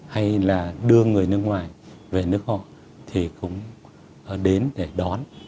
hay là đưa người nước ngoài về nước họ thì cũng đến để đón